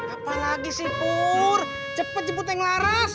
apa lagi sih pur cepet jemput yang laras